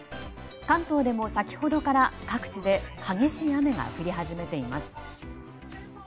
関東でも先ほどから各地で激しい雨が降り始めています。